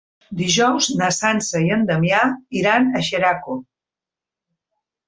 Dijous na Sança i en Damià iran a Xeraco.